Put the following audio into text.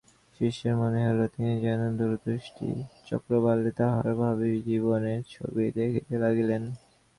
শিষ্যের মনে হইল, তিনি যেন দূরদৃষ্টি-চক্রবালে তাঁহার ভাবী জীবনের ছবি দেখিতে লাগিলেন।